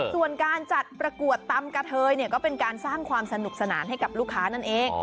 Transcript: ส่วนการจัดประกวดตำกะเทยก็เป็นการสร้างความสนุกสนานให้กับลูกค้านั่นเอง